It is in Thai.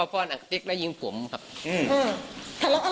แต่พ่อผมยังมีชีวิตอยู่นะครับพูดประโยคนี้ประมาณ๓รอบ